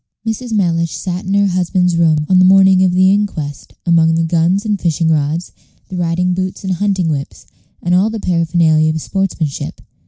Mrs. Mellish sat in her husband's room on the morning of the inquest, among the guns and fishing rods, the riding boots and hunting whips, and all the paraphernalia of sportsmanship.